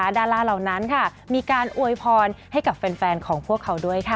ดาราเหล่านั้นมีการอวยพรให้กับแฟนของพวกเขาด้วยค่ะ